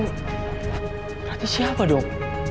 berarti siapa dong